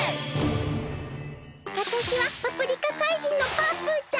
わたしはパプリカ怪人のパープーちゃん！